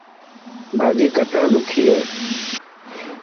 ڀاڄي ڪٽڻ ڏکي هي.